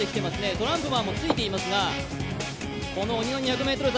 トランプマンもついていますが、この鬼の２００ｍ坂